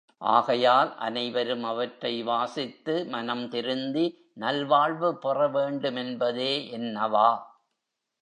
ஆகையால், அனைவரும் அவற்றை வாசித்து, மனம் திருந்தி, நல்வாழ்வு பெறவேண்டு மென்பதே என் அவா.